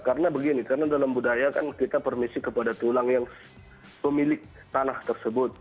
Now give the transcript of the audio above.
karena begini karena dalam budaya kan kita permisi kepada tulang yang pemilik tanah tersebut